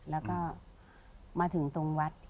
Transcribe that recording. แล้วก็มาถึงตรงวัด